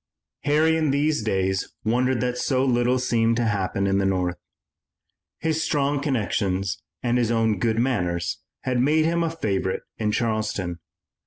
Harry in these days wondered that so little seemed to happen in the North. His strong connections and his own good manners had made him a favorite in Charleston.